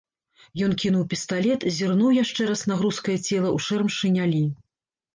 Ён кінуў пісталет, зірнуў яшчэ раз на грузкае цела ў шэрым шынялі.